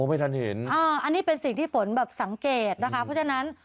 อันนี้เป็นสิ่งที่ผมสังเกตนะคะเพราะฉะนั้น